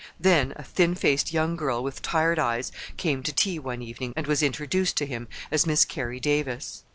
Then a thin faced young girl with tired eyes came to tea one evening and was introduced to him as Miss Carrie Davis.